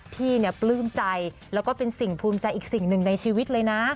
พี่เนี่ยปลื้มใจแล้วก็เป็นสิ่งภูมิใจอีกสิ่งหนึ่งในชีวิตเลยนะ